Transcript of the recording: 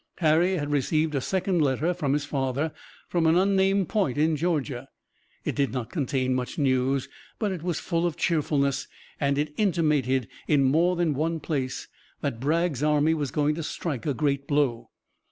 Harry had received a second letter from his father from an unnamed point in Georgia. It did not contain much news, but it was full of cheerfulness, and it intimated in more than one place that Bragg's army was going to strike a great blow.